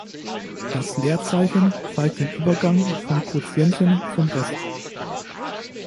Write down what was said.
Das Leerzeichen zeigt den Übergang vom Quotienten zum Rest.